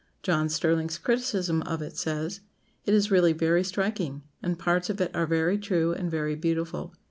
John Sterling's criticism of it says: "It is really very striking, and parts of it are very true and very beautiful.